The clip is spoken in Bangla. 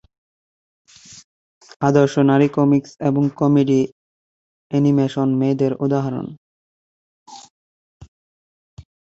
আদর্শ নারী কমিকস এবং কমেডি এনিমেশন মেয়েদের উদাহরণ।